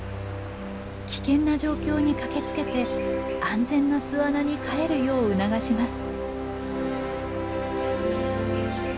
危険な状況に駆けつけて安全な巣穴に帰るよう促します。